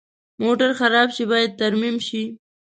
موټر خراب شي، باید ترمیم شي.